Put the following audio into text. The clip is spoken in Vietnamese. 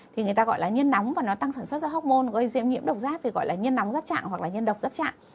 thì người ta gọi là nhân nóng và nó tăng sản xuất ra hốc môn gây diễm nhiễm độc giáp thì gọi là nhân nóng giáp trạng hoặc là nhân độc giáp trạng